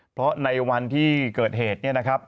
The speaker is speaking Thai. เพราะในวันที่เกิดเหตุเนี่ยนะครับ